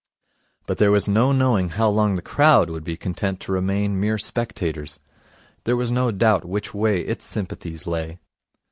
But there was no knowing how long the crowd would be content to remain mere spectators. There was no doubt which way its sympathies lay.